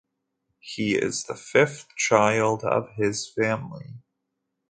He is the fifth child of his family.